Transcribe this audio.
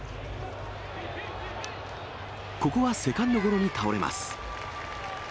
ここはセカンドゴロに倒れます。